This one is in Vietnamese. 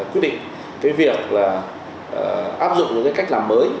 quyết định việc áp dụng những cách làm mới